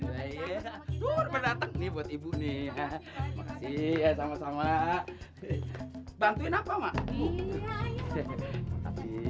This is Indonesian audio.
iya ya ya ya suruh berdatang nih buat ibu nih ya makasih ya sama sama bantuin apa mak iya iya